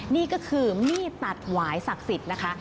นี่ก็คือมีดตัดหวายศักดิ์สิทธิ์นะคะ